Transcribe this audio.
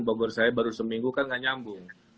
bogor saya baru seminggu kan nggak nyambung